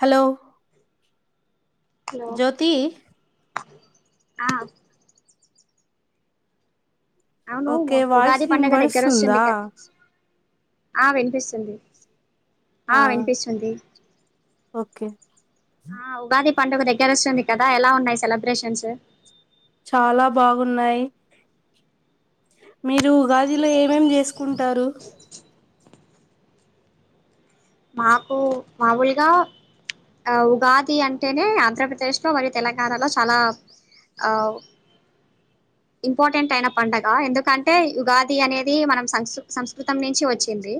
Hello hello జ్యోతి ఆ అవును okay voice Ugadi ఇన్ పండగ దగ్గర వస్తుంది బడుస్తుందా కదా ఆ వినిపిస్తుంది ఆ వినిపస్తుంది ఓకే ఆ ఉగాది పండుగ దగ్గర వస్తుంది కదా ఎలా ఉన్నాయి సెలబ్రేషన్స్ చాలా బాగున్నాయి మీరు ఉగాదిలో ఏమేం చేసుకుంటారు మాకు మామూలుగా ఆ ఉగాది అంటేనే ఆంధ్రప్రదేశ్ లో మరియు తెలంగాణలో చాలా ఆ ఇంపార్టెంట్ అయిన పండగ ఎందుకంటే ఉగాది అనేది మనం సంస్క సంస్కృతం నుంచి వచ్చింది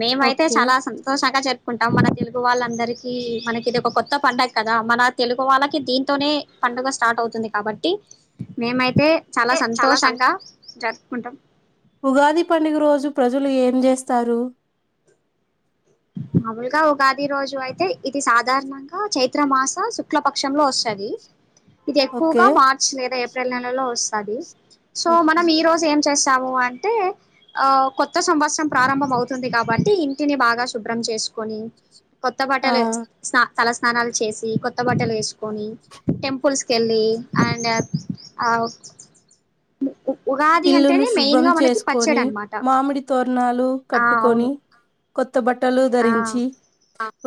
మేమ అయితే ఓకే చాలా సం షంగ జరుపుకుంటాం మన తెలుగు వాళ్ళ అందరికీ మనకి ఇది ఒక కొత్త పండగ కదా మన తెలుగు వాళ్ళకి దీంతోనే పండుగ స్టార్ట్ అవుతుంది కాబట్టి మేమైతే చాలా సంతోషంగా జర్ కుంటాం ఉగాది పండుగ రోజు ప్రజలు ఏం చేస్తారు మామూలుగా ఉగాది ప్రతి రోజు అయితే ఇది సాధారణంగా చైత్ర మాస శుక్లపక్షంలో వస్తది ఇది ఓకే ఎక్కువగా మార్చ లేదా ఏప్ ప్రిల్ నెలలో వస్తాది సో ఓకే మనం ఈ రోజు ఏం చేస్ తాము అంటే కొత్త సంవత్సరం ప్రారంభం అవుతుంది కాబట్టి ఇంటిని బాగా శు శుభ్రం చేసుకొని కొత్త ఆ బటలు ఏస్ స్నా తలస్నానాలు చేసి కొత్త బట్టలు వేసుకొని టెంపుల్స్కి వెళ్ళి అండ్ ఆఉ ఇల్లును శుభ్రం పచ్చడి చేసుకొని అనమాట మామిడి తోరణాలు ఆ కట్టుకొని అవును కొత్త బట్టలు ఆ ధరించి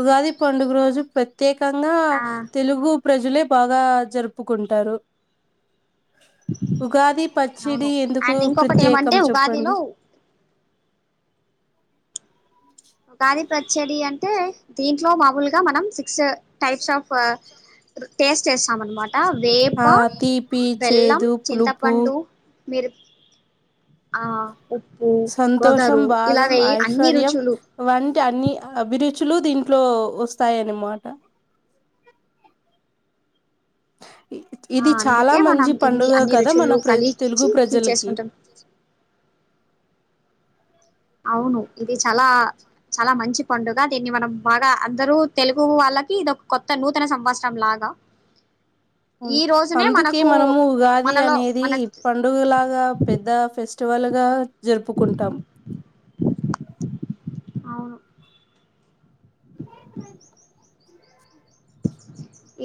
ఉగాది పండుగ రోజు ప్రత్యే కంగా ఆ తెలుగు ప్రజలే బాగా జరుపుకుంటారు ఉగాది ప అవును అండ్ ఇంకొకటి ఏమంటే ఉగాదిలో ఉగాది పచ్చడి అంటే దీంట్లో మామూలుగా మనం సిక్స్ టైప్స్ ఆఫ్ టేస్ట్ చేస్తాం అనమాట వేప ఆ తీపి బెల్లం చేదు పులుపు చింతపండు మీరు ఆ ఉప్పు సంతోషం వగరు ఇలాగ బాదం అన్ని ఐశ్వర్యం రుచులు వంటి అన్ని అభిరుచులు దీంట్లో వస్తాయన్నమాట ఆ ఇది చాలా అందుకే మనం మంచి ఇన్ని పండుగ అన్ని కదా మన రుచులు ప్ర తెలుగు కలిచి ఇది ప్రజలకి చేసుకుంటాం అవును ఇది చాలా చాలా మంచి పండుగ దీన్ని మనం బాగా అందరూ తెలుగు వాళ్ళకి ఇది ఒక కొత్త నూతన సంవత్సరం లాగా వును ఈ రోజునే అందుకే మనకు మనము ఉగాది మనలో అనేది మనకు పండుగలాగా పెద్ద ఫెస్ ఫస్ట్వాలుగా జరుపుకుంటాం అవును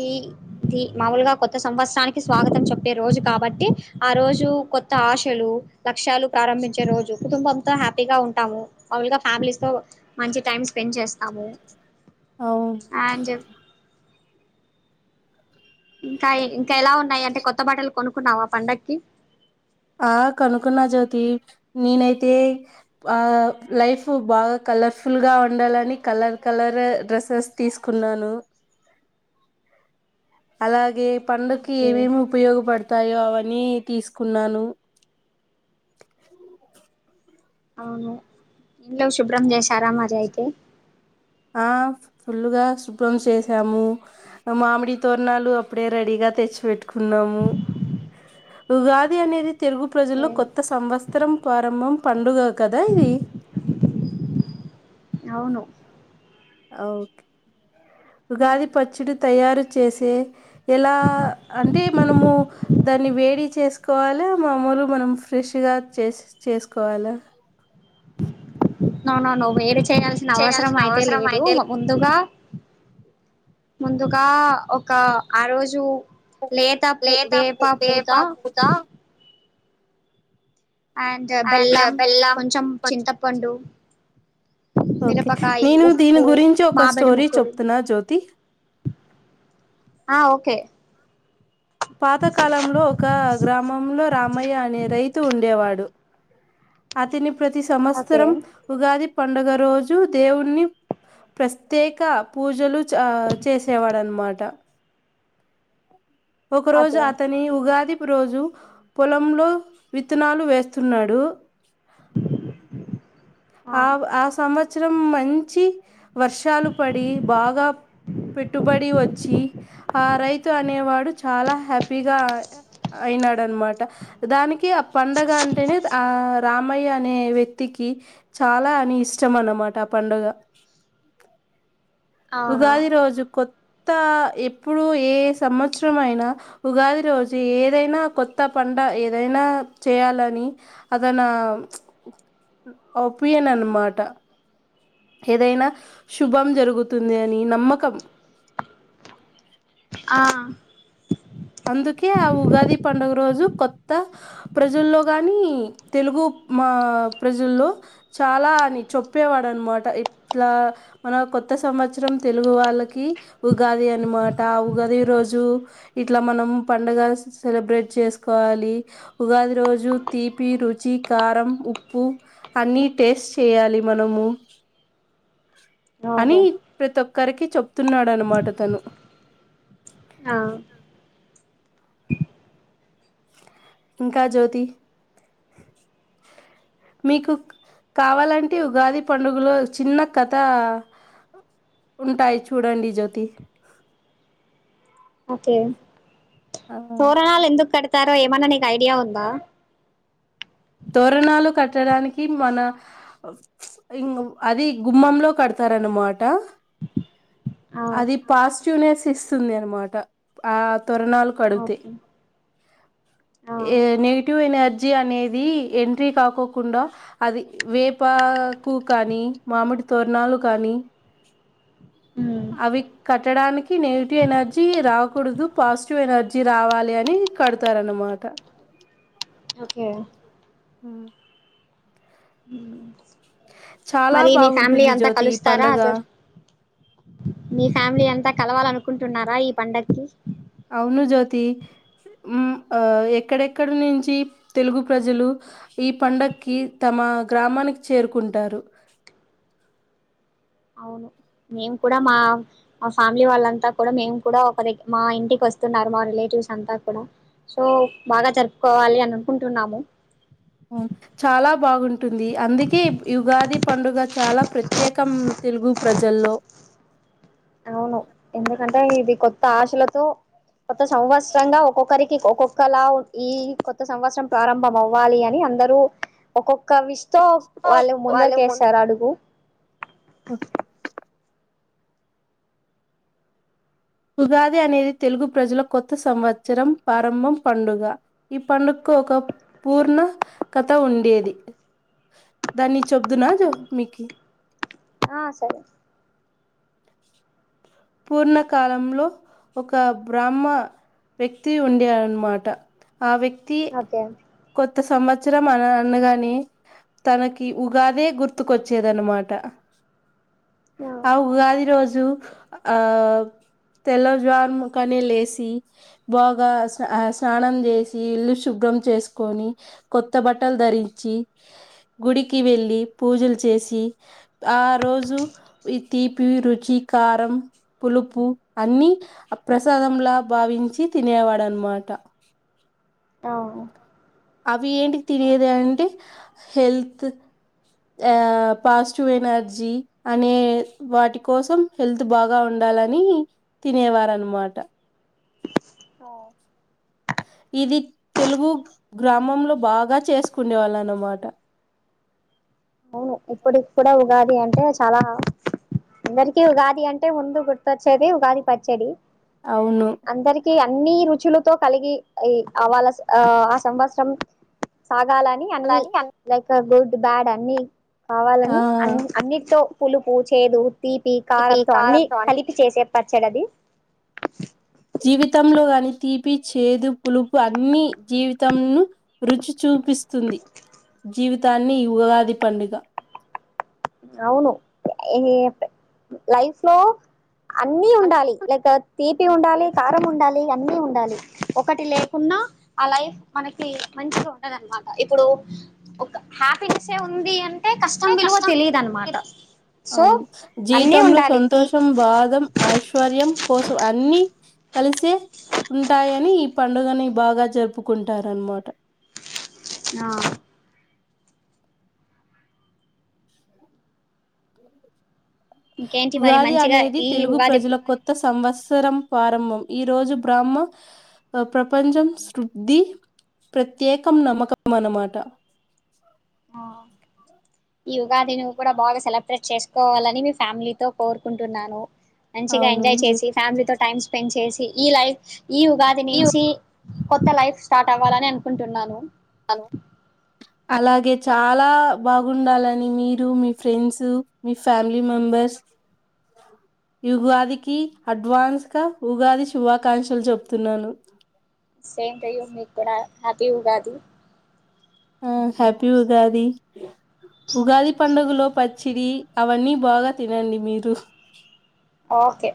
ఈది మామూలుగా కొత్త సంవత్సరానికి స్వాగతం చెప్పే రోజు కాబట్టి ఆ రోజు కొత్త ఆశలు లక్ష్యాలు ప్రారంభించే రోజు కుటుంబం హ్యాపీగా ఉంటాము మామూలుగా ఫ్యామిలీస్ తో మంచి టైం స్పెండ్ చేస్తా అమో అవును ఆ చె ఇంకా ఇంకా ఎలా ఉన్నాయి అంటే కొత్త కొత్త బట్టలు కొనుక్కున్నావా పండగకి ఆ కనుకున్న జ్యోతి నేనైతే ఆ లైఫ్ బాగా కలర్ఫుల్గా ఉండాలని కలర్ కలర్ డ్రెస్సెస్ తీసుకున్నాను అలాగే పండుకి ఓకే ఏమేమి ఉపయోగపడతాయో అవ తీసుకున్నాను అవును ఇంట్లో శుభ్రం చేశారామరి అయితే ఆ ఫుల్లుగా శుభ్రం చేసాము మామిడి తోరణాలు అప్పుడే రెడీగా తెచ్చిపెట్టుకున్నాము ఉగాది అనేది తెలుగు ఓకే ప్రజల్లో కొత్త సంవత్సరం ప్రారంభం పండుగ కదా ఇది అవును ఓకే ఉగాది పచ్చడి తయారు చేసే ఎలా అంటే మనము దాన్ని వేడి చేసుకోవాలా మామూలు మనం ఫ్రెష్గా చే చేసుకోవాలా నో నో వేడి చేయాల్సిన అవసరం అయితే లేదు ముందుగా ముందుగా ఒక ఆ రోజు లేతా లేత వేప పూత పూత అండ్ బెల్లం కొంచెం చింతపండు ఓకే మిరపకాయి నేను దీని ఉప్పు గురించి ఒక మామిడి స్టోరీ ముక్కలు చెప్తున్నా. జ్యోతి కే పాతకాలంలో ఒక గ్రామంలో రామయ్య అనే రైతు ఉండేవాడ్. డు అతని ప్ ప్రతి ఓకే సంవత్సరం ఉగాదిప్ పండుగ రోజు దేవుణ్ణి ప్రస్తేక పూజలు చ చేసేవాడనమాట. ఒక రోజు ఓకే అతని ఉగాది రోజు పొలంలో విత్తనాలు వేస్తున్నాడు. ఆవ్ ఆ సం వత్సరం మంచి వర్షాలు పడి బాగా పెట్టుబడి వచ్చి. ఆ రైతు అనేవాడు చాలా హ్యాపీగా ఆ య అయినాడనమాట. దానికి ఆ పండగ అంటేనే ఆ రామయ్య అనే వ్యక్తికి చాలా అని ఇష్టం అన్నమాట. ఆ పండుగ అవునా ఉగాది రోజు కొత్ కొత్త ఎప్పుడు ఏ సంవత్సరం అయినా. ఉగాది రోజు ఏదైనా కొత్త పంట. ఏదైనా చేయాలని అదన నా ఒపీయన్ అనమాట. ఏదైనా శుభం జరుగుతుంది. అని నమ్మకం ఆహ్ అందుకే ఆ ఉగాది పండుగ రోజు కొత్త ప్రజల్లో గానీ, తెలుగు మా ప్రజల్లో చాలా అని చొప్పేవాడు అనమాట. ఇట్లా మన కొత్త సంవత్సరం తెలుగు వాళ్ళకి ఉగాది అనమాట. ఆ ఉగాది రోజు ఇట్లా మనము పండగ సెలబ్రేట్ చేసుకోవాలి. ఉగాది రోజు తీపి, రుచి, కారం, ఉప్పు అన్నీ టేస్ట్ చేయాలి. మనము అనీ ఓహో ప్రతోక్ కరికి చెప్తున్నాడన్నమాట తను. ఆ ఇంకా జ్యోతి మీకు కావాలంటే. ఉగాది పండుగలో చిన్న కథ ఉంటాయి చూడండి. జ్యోతి ఓకే ఆ తోరణాలు ఎందుక్ కాడత్ తారో ఏమన్నా నీకు ఐడియా ఉందా. తోరణాలు కట్టడానికి. మన ఇంగ్ అది గుమ్మంలో కడతారన్నమాట ఆ అది పాస్ చ్యూనేస్ ఇస్తుంది అనమాట. ఆ తోరణాలు కడుగుతే. ఓకే ఆ ఏ నెగిటివ్ ఎనర్జ్ జి అనేద్ అది ఎంట్రీ కాకోకుండా. అది వేపాకు కానీ, మామిడి తోరణాలు కానీ. ఉమ్ అవి కట్టడానికి నెగిటివ్ ఎనర్జీ రాకూడుదు. పాజిటివ్ ఎనర్జీ రావాలి అని కడతారన్నమాట. ఓకే హ్మ్ హ్మ్ చాలా మరి నీ ఫ్యామిలీ బాగుంటుంది ఎంత జ్యోతి ఈ కలుస్తారా పండగ అదరు మీ ఫ్యామిలీ ఎంత కలవాలనుకు కుంటున్నారా ఈ పండగకి అవునుజ్యోతి హ్మ్ అ ఎక్కడెక్కడి నుంచి తెలుగు ప్రజలు ఈ పండగకి తమ గ్రామానికి చేరుకుంటారు అవును మేము కూడా మా ఫ్యామిలీ వాళ్ళంతా కూడా మేము కూడా మా ఇంటికి వస్తున్నారు మా రిలేటివ్స్ అంతా కూడా సో బాగా జరుపుకోవాలి అని అనుకుంటున్నాము చాలా బాగుంటుంది అందుకే ఉగాది పండుగ చాలా ప్రత్యేకం తెలుగు ప్రజల్లో అవును ఎందుకంటే ఇది కొత్త ఆశలతో కొత్త సంవత్సరంగా ఒక్కొక్కరికి ఒక్కొక్కలా ఈ కొత్త సంవత్సరం ప్రారంభం అవ్వాలి అని అందరూ ఒక్కొక్క విష్ తో వాళ్ళు ముందరికి వేశారు అడుగు హ్మ్ ఉగాది అనేది తెలుగు ప్రజల కొత్త సంవత్సరం ప్రారంభం పండుగ ఈ పండుగకు ఒక పూర్ణ కథ ఉండేది దాన్ని చబ్దు నాజ మీకి ఆ సరే పూర్ణకాలంలో ఒక బ్రాహ్మ వ్యక్తి ఉండేారన్నమాట ఆ వ్యక్తి ఓకే కొత్త సంవత్సరం అన అన్నగాని తనకి ఉగాదే గుర్తుకొచ్చేదనమాట ఆ ఉగాది రోజు ఆ తెల్ల జ్వారం కనీ లేసి బాగా స్నానం చేసి ఇల్లు శుభ్రం చేసు కొని కొత్త బట్టలు ధరించి గుడికి వెళ్ళి పూజలు చేసి ఆ రోజు ఈ తీపి రుచి కారం పులుపు అన్నీ ప్రసాదంలా భావించి తినేవాడునమాట అ అవి ఏంటి తినేది అంటే హెల్త్ ఆ పాజిటివ్ ఎనర్జీ అనే వాటి కోసం హెల్త్ బాగా ఉండాలని తినేవారు అనమాట అ ఇది తెలుగు గ్రామంలో బాగా చేసుకుండే వాళ్ళ అన్నమాట అవును ఇప్పుడిపుడే కూడా ఉగాది అంట అంటే చాలా అందరికిీ ఉగాది అంటే ముందు గుర్తొచ్చేది ఉగాది పచ్చడి అవును అందరికి అన్ని రుచులతో కలిగి అ వాళ ఆ ఆ సంవత్సరం స కాలాని అన్ని లైక్ గుడ్ దాడా అమీ ఆ కావాలని అన్ని అన్నిటో పులుపు చేదు తీపి కారంంతో అన్ని కలిపి చేసే పచ్చడది జీవితంలో కాని తీపి చేదు పులుపు అన్నిజీవితంను రుచి చూపిస్త స్తుంది జీవిత దాన్ని ఈ ఉగాది పండుగ అవును లైఫ్ లో అన్నీ అంతే ఉండాలి లైక్ తీపి ఉండాలి కారం ఉండాలి అన్నీ ఉండాలి ఒకటి లేకున్నా ఆ లైఫ్ మనకి మంచిగా ఉండదనమాట ఇప్పుడు ఒక హ్యాపీనెస్ ఉంది అ ఉంటే కష్టం విలువ అనమాట సో అవును అన్నీ జీవితంలో ఉండాలి తీ సంతోషం బాధం ఐశ్వర్యం కోసం అన్ని కలిసే ఉంటాయని ఈ పండుగని బాగా జరుపుకుంటారన్నమాట నా అ ఇంకేంటి [inaudible] మరి ఉగాది మంచిగా అనేది ఈ తెలుగు ఉగాది ప్రజల కొత్త సంవత్స సరం ప్రారంభం ఈ రోజు బ్రహ్మ ప్రపంచం శుద్ధి ప్రత్యేకం నమ్మకం అన్నమాట ఆ ఈ ఉగాదిని కూడా బాగా సెలబ్రేట్ చేసుకోవాలని మీ ఫ్యామిలీతో కోరుకుంటున్నాను మంచిగా అవును ఎంజాయ్ చేసి జీ- ఫ్యామిలీతో టైమ్ స్పెండ్ చేసి ఈ లైఫ్ ఈ ఉగాది ఈ నుంచి కొత్త లైఫ్ స్టార్ట్ అవ్వాలని అనుకుంటున్నాను అలాగే చాలా బాగుండాలని మీరు మీ ఫ్రెండ్స్ మీ ఫ్యామిలీ మెంబర్స్ ఉగాదికి అడ్వాన్స్ గా ఉగాది శుభాకాంక్షలు చెప్తున్నాను సేం టయూ మీ కూడా హ్యాపీ ఉగాది ఆ హ్యాపీ ఉగాది ఉగాది పండగలో పచ్చిడి అవన్నీ బాగా తినండి మీరు ఓకే